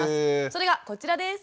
それがこちらです。